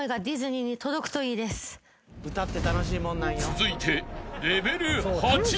［続いて］